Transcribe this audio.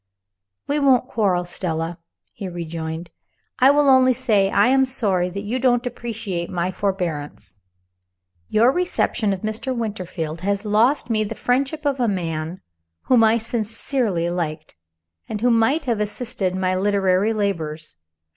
"We won't quarrel, Stella," he rejoined; "I will only say I am sorry you don't appreciate my forbearance. Your reception of Mr. Winterfield has lost me the friendship of a man whom I sincerely liked, and who might have assisted my literary labors.